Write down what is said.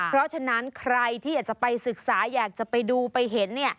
เพราะฉะนั้นใครที่อยากจะไปศึกษาอยากจะไปดูไปเห็น